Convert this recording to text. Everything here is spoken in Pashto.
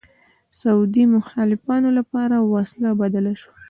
سعودي مخالفانو لپاره وسله بدله شوه